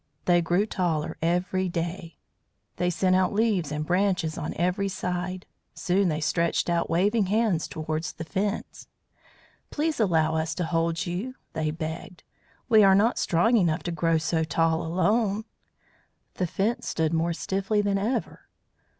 They grew taller every day; they sent out leaves and branches on every side; soon they stretched out waving hands towards the Fence. "Please allow us to hold to you," they begged. "We are not strong enough to grow so tall alone." The Fence stood more stiffly than ever.